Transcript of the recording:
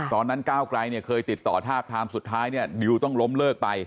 ก้าวไกลเนี่ยเคยติดต่อทาบทามสุดท้ายเนี่ยดิวต้องล้มเลิกไป